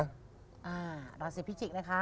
อ่าตอนเสียพิจิกนะคะ